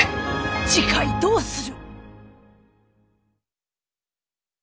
次回どうする。